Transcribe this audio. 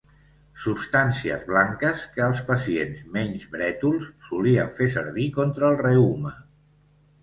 Substàncies blanques que els pacients menys brètols solien fer servir contra el reuma.